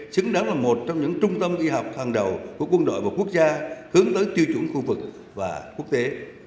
xứng đáng là một trong những trung tâm y học hàng đầu của quân đội và quốc gia hướng tới tiêu chuẩn khu vực và quốc tế